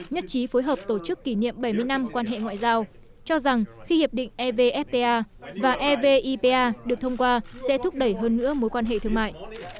nhất trí phối hợp tổ chức kỷ niệm bảy mươi năm quan hệ ngoại giao cho rằng khi hiệp định evfta và evipa được thông qua sẽ thúc đẩy hơn nữa mối quan hệ thương mại